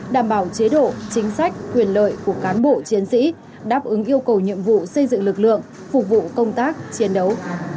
đảm bảo chế độ chính sách quyền lợi của cán bộ chiến sĩ đáp ứng yêu cầu nhiệm vụ xây dựng lực lượng phục vụ công tác chiến đấu